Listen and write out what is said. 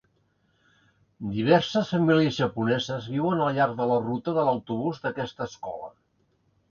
Diverses famílies japoneses viuen al llarg de la ruta de l'autobús d'aquesta escola.